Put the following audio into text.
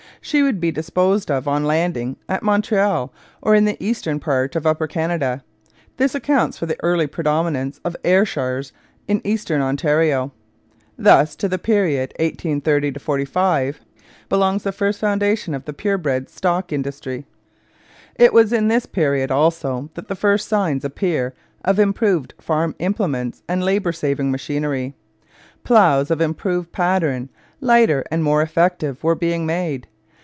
She would be disposed of on landing, at Montreal or in the eastern part of Upper Canada. This accounts for the early predominance of Ayrshires in Eastern Ontario. Thus to the period 1830 45 belongs the first foundation of the pure bred stock industry. It was in this period also that the first signs appear of improved farm implements and labour saving machinery. Ploughs of improved pattern, lighter and more effective, were being made.